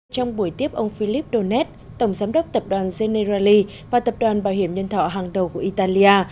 trong buổi tiếp ông philip donets tổng giám đốc tập đoàn generaly và tập đoàn bảo hiểm nhân thọ hàng đầu của italia